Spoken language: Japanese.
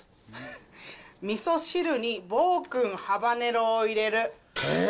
みそ汁に暴君ハバネロを入れる。